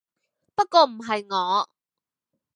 不過唔係我